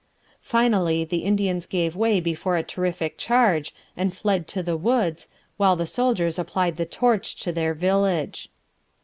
Finally, the Indians gave way before a terrific charge and fled to the woods, while the soldiers applied the torch to their village.